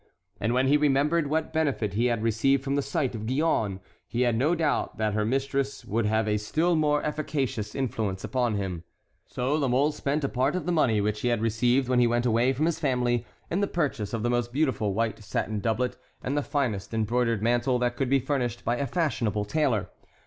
And when he remembered what benefit he had received from the sight of Gillonne, he had no doubt that her mistress would have a still more efficacious influence upon him. So La Mole spent a part of the money which he had received when he went away from his family in the purchase of the most beautiful white satin doublet and the finest embroidered mantle that could be furnished by a fashionable tailor.